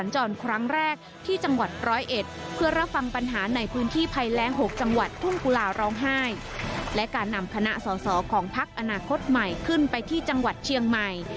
จากวัดทุ่นกุลาร้องไห้และการนำคณะสอสอของพักอนาคตใหม่ขึ้นไปที่จังหวัดเชียงใหม่